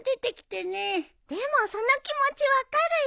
でもその気持ち分かるよ。